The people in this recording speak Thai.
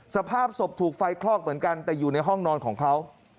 สภาพศพถูกไฟคลอกเหมือนกันแต่อยู่ในห้องนอนของเขา